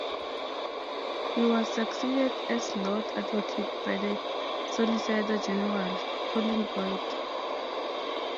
He was succeeded as Lord Advocate by the Solicitor General, Colin Boyd.